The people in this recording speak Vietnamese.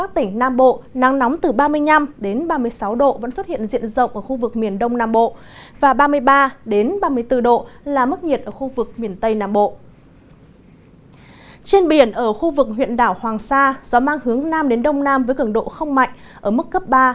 trong khu vực huyện đảo hoàng sa gió mang hướng nam đến đông nam với cường độ không mạnh ở mức cấp ba